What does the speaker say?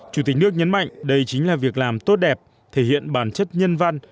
chủ tịch nước nhấn mạnh đây chính là việc làm tốt đẹp thể hiện bản chất nhân văn